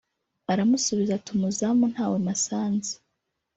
Aramusubiza ati “Umuzamu ntawe mpasanze”